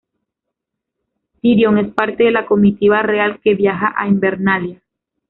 Tyrion es parte de la comitiva real que viaja a Invernalia.